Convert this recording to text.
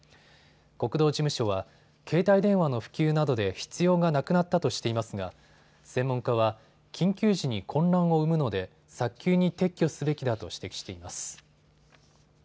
国道事務所は携帯電話の普及などで必要がなくなったとしていますが専門家は緊急時に混乱を生むので早急に撤去すべきだと指摘しています。